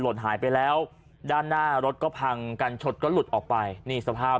หายไปแล้วด้านหน้ารถก็พังกันชดก็หลุดออกไปนี่สภาพ